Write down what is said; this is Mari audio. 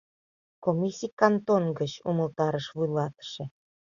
Комиссий... кантон гыч, — умылтарыш вуйлатыше.